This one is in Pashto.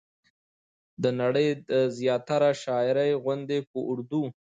د نړۍ د زياتره شاعرۍ غوندې په اردو